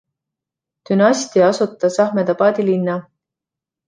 Dünastia asutas Ahmedabadi linna.